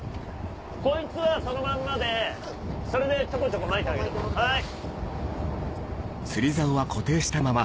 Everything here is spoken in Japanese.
こいつはそのまんまでそれでちょこちょこ撒いてあげるはい。